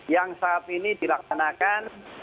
yang saat ini dilaksanakan